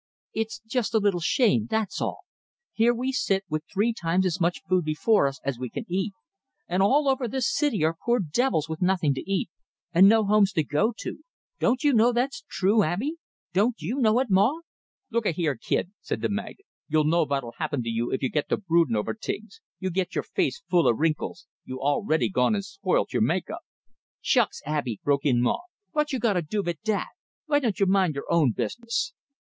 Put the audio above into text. "It's just a little shame, that's all. Here we sit, with three times as much food before us as we can eat; and all over this city are poor devils with nothing to eat, and no homes to go to don't you know that's true, Abey? Don't you know it, Maw?" "Looka here, kid," said the magnate; "you know vot'll happen to you if you git to broodin' over tings? You git your face full o' wrinkles you already gone and spoilt your make up." "Shucks, Abey," broke in Maw, "vot you gotta do vit dat? Vy don't you mind your own business?"